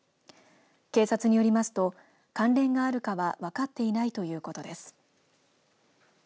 警察によりますと関連があるかは分かっていないということです。